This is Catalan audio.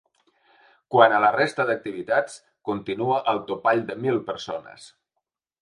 Quant a la resta d’activitats, continua el topall de mil persones.